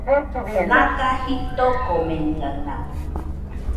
Naga jitokomenɨaɨna